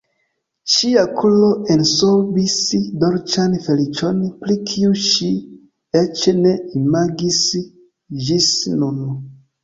Ŝia koro ensorbis dolĉan feliĉon, pri kiu ŝi eĉ ne imagis ĝis nun.